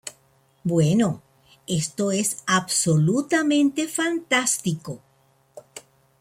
Bueno, esto es absolutamente fantástico.